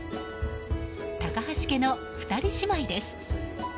高橋家の２人姉妹です。